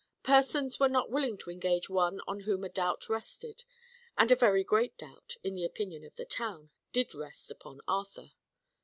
Persons were not willing to engage one on whom a doubt rested; and a very great doubt, in the opinion of the town, did rest upon Arthur.